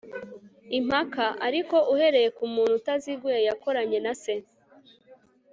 impaka, ariko uhereye kumuntu utaziguye yakoranye na se